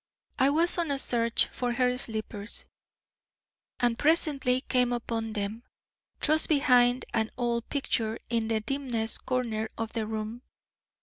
I was on a search for her slippers, and presently came upon them, thrust behind an old picture in the dimmest corner of the room.